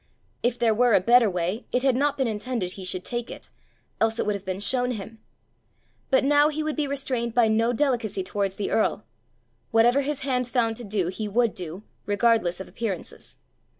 If there were a better way it had not been intended he should take it, else it would have been shown him! But now he would be restrained by no delicacy towards the earl: whatever his hand found to do he would do, regardless of appearances!